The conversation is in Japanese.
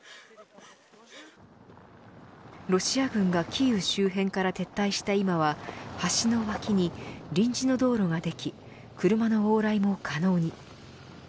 ロシア軍がキーウ周辺から撤退した今は橋の脇に臨時の道路ができ車の往来も可能に。